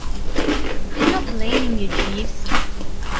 I'm not blaming you, Jeeves.